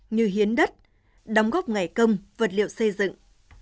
như hiến đất đóng góp ngày công vật liệu xây dựng